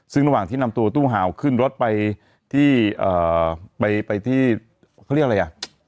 ซึ่งระหว่างที่นำตัวตู้หาวขึ้นรถไปที่ไปที่เขาเรียกอะไรอ่ะ